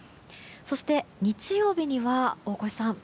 そして、日曜日には大越さん